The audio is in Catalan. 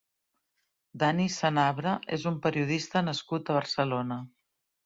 Dani Senabre és un periodista nascut a Barcelona.